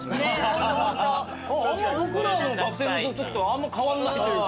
僕らの学生のときとあんま変わんないというか。